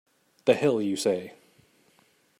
The hell you say!